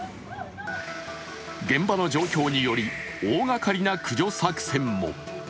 現場の状況により大がかりな駆除作戦も。